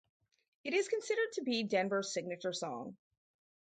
It is considered to be Denver's signature song.